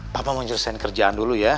papa mau nyelesaikan kerjaan dulu ya